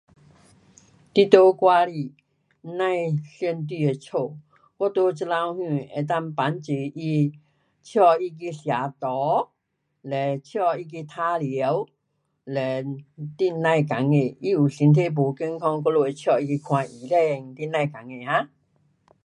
你在外里甭想你的家。我在这头向能够帮助他带他去喝茶，嘞带他去玩耍，嘞你甭当心，他有身体不健康我们会带他去看医生，你甭当心啊。